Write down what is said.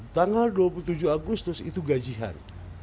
tanggal dua puluh tujuh agustus itu gajian